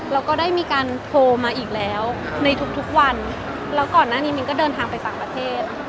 แล้วก็ได้มีการโทรมาอีกแล้วในทุกทุกวันแล้วก่อนหน้านี้มินก็เดินทางไปต่างประเทศ